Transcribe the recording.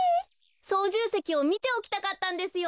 そうじゅうせきをみておきたかったんですよ。